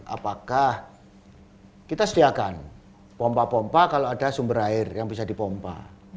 apakah kita sediakan pompa pompa kalau ada sumber air yang bisa dipompa